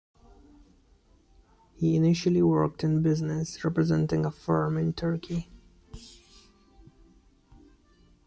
He initially worked in business, representing a firm in Turkey.